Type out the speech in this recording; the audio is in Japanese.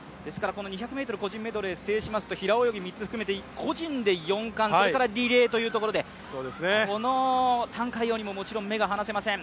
２００ｍ個人メドレー制しますと個人で４冠、それからリレーというところで、この覃海洋にももちろん目が離せません。